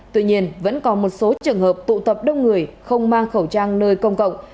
tuy nhiên vẫn còn một số trường hợp tụ tập đông người không mang khẩu trang nơi công cộng